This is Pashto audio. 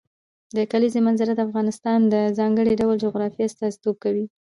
د کلیزو منظره د افغانستان د ځانګړي ډول جغرافیه استازیتوب کوي.